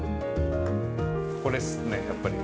これですね、やっぱり。